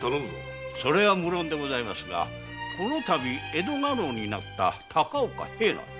無論でございますがこのたび江戸家老になった高岡平内